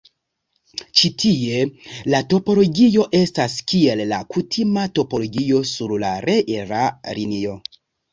Ĉi tie, la topologio estas kiel la kutima topologio sur la reela linio.